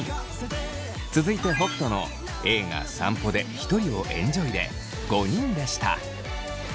続いて北斗の「映画散歩でひとりをエンジョイ」で５人でした。